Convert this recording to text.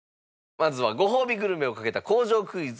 まずはごほうびグルメを懸けた工場クイズ。